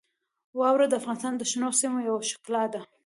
واوره د افغانستان د شنو سیمو یوه ښکلا ده.